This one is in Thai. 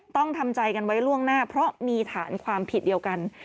ต้องทำใจกันไว้ล่วงหน้าเพราะมีฐานความผิดเดียวกัน